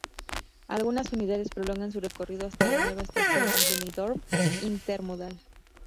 Algunas unidades prolongan su recorrido hasta la nueva estación Benidorm-Intermodal.